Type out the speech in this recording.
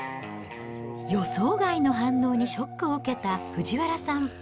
予想外の反応にショックを受けた藤原さん。